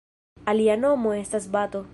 Alia nomo estas bato.